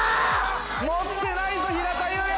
もってないぞ平田雄也！